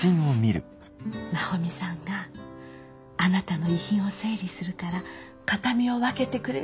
奈穂美さんがあなたの遺品を整理するから形見を分けてくれるって。